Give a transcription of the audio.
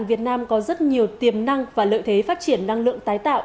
việt nam có rất nhiều tiềm năng và lợi thế phát triển năng lượng tái tạo